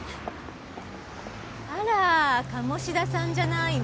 あら鴨志田さんじゃないの？